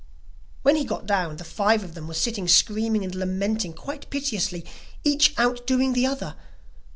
When he got down, the five of them were sitting screaming and lamenting quite piteously, each out doing the other.